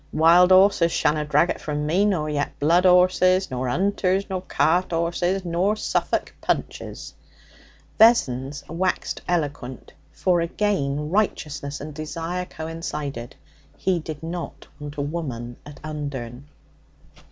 Wild 'orses shanna drag it from me, nor yet blood 'orses, nor 'unters, nor cart 'orses, nor Suffolk punches!' Vessons waxed eloquent, for again righteousness and desire coincided. He did not want a woman at Undern.